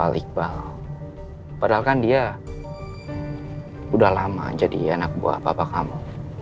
padahal kan dia udah lama jadi anak buah papa kamu